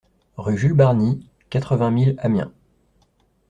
Rue Jules Barni, quatre-vingt mille Amiens